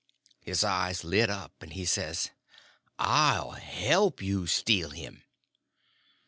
His eye lit up, and he says: "I'll help you steal him!"